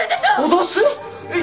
脅す！？